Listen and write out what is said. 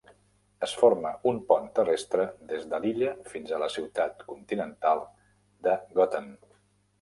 Es forma un pont terrestre des de l'illa fins a la ciutat continental de Gotham.